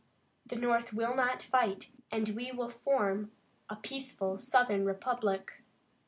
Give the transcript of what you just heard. The North will not fight, and we will form a peaceful Southern republic."